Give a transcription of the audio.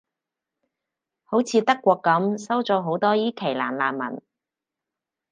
好似德國噉，收咗好多伊期蘭難民